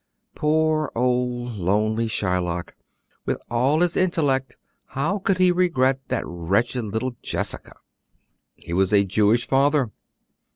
Poor old, lonely Shylock! With all his intellect, how could he regret that wretched little Jessica?" "He was a Jewish father."